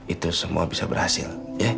itu semua bisa berhasil